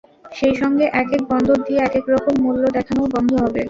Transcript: সেই সঙ্গে একেক বন্দর দিয়ে একেক রকম মূল্য দেখানোও বন্ধ হবে।